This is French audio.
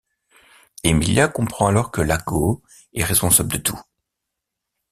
Emilia comprend alors que Iago est responsable de tout.